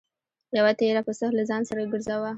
یوه تېره پڅه له ځان سره ګرځوه.